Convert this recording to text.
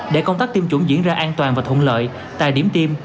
để công tác tiêm chủng diễn ra an toàn và thuận lợi tại điểm tiêm